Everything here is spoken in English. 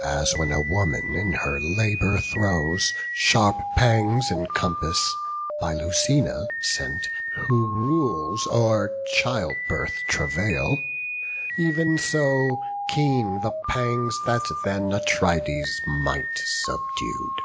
As when a woman in her labour throes Sharp pangs encompass, by Lucina sent, Who rules o'er child birth travail, ev'n so keen The pangs that then Atrides' might subdued.